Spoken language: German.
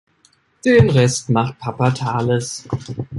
Denn Rest macht Papa Thales.